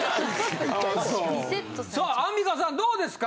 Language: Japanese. さあアンミカさんどうですか？